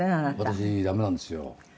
私駄目なんですよ。